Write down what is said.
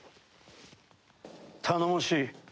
頼もしい。